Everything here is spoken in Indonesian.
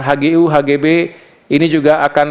hgu hgb ini juga akan